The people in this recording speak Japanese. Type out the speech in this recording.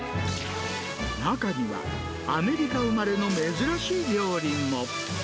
中には、アメリカ生まれの珍しい料理も。